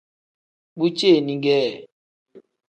Bu ceeni kee.